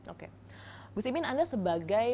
oke gus imin anda sebagai